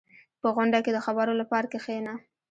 • په غونډه کې د خبرو لپاره کښېنه.